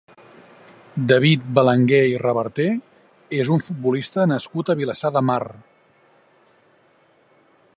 David Belenguer i Reverter és un futbolista nascut a Vilassar de Mar.